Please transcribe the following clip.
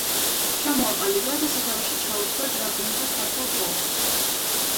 ჩამოაყალიბა და სათავეში ჩაუდგა დრაგუნთა ქართულ პოლკს.